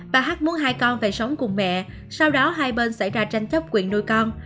bà hát muốn hai con về sống cùng mẹ sau đó hai bên xảy ra tranh chấp quyền nuôi con